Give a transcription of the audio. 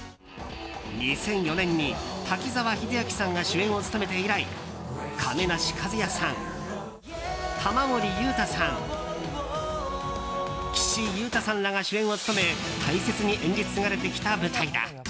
２００４年に滝沢秀明さんが主演を務めて以来亀梨和也さん、玉森裕太さん岸優太さんらが主演を務め大切に演じ継がれてきた舞台だ。